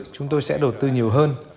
chúng tôi sẽ đầu tư nhiều hơn